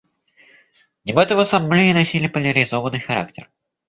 Дебаты в Ассамблее носили поляризованный характер.